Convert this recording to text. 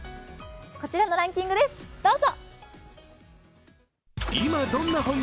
こちらのランキングです、どうぞ。